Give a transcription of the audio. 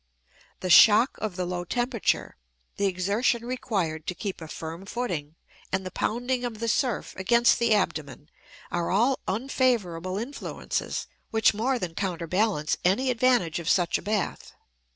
The shock of the low temperature, the exertion required to keep a firm footing, and the pounding of the surf against the abdomen are all unfavorable influences which more than counterbalance any advantage of such a bath.